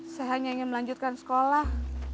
saya hanya ingin melanjutkan sekolah